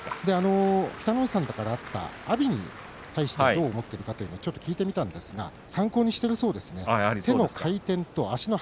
北の富士さんからあった阿炎に対してどう思っていると聞いてみたんですが参考にしているそうです。